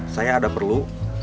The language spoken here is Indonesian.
saya ada perlu